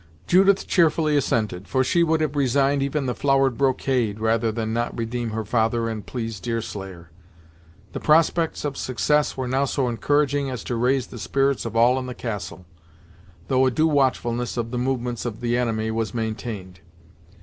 Judith cheerfully assented, for she would have resigned even the flowered brocade, rather than not redeem her father and please Deerslayer. The prospects of success were now so encouraging as to raise the spirits of all in the castle, though a due watchfulness of the movements of the enemy was maintained.